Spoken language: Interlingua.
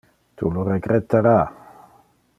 Tu lo regrettara!